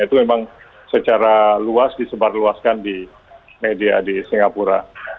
itu memang secara luas disebarluaskan di media di singapura